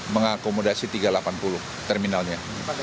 mengakomodasi tiga ratus delapan puluh terminalnya